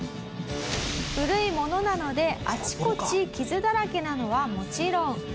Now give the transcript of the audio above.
古いものなのであちこち傷だらけなのはもちろん。